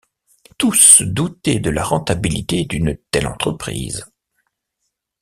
Tous doutaient de la rentabilité d’une telle entreprise.